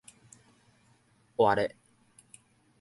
活咧